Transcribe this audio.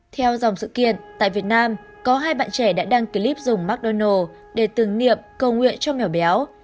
theo dòng sự kiện tại việt nam có hai bạn trẻ đã đăng clip dùng mcdonald s để từng niệm cầu nguyện cho mèo béo